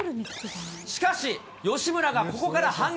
しかし、吉村がここから反撃。